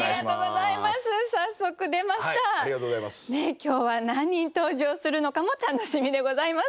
今日は何人登場するのかも楽しみでございます。